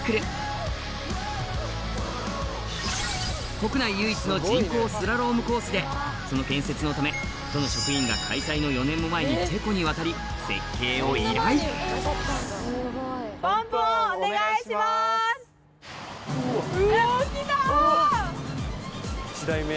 国内唯一の人工スラロームコースでその建設のため都の職員が開催の４年も前にチェコに渡り設計を依頼１台目。